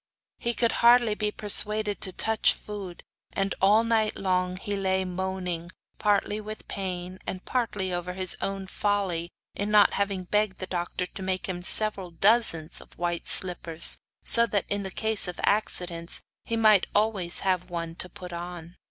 He could hardly be persuaded to touch food, and all night long he lay moaning, partly with pain, and partly over his own folly in not having begged the doctor to make him several dozens of white slippers, so that in case of accidents he might always have one to put on.